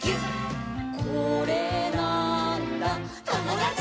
「これなーんだ『ともだち！』」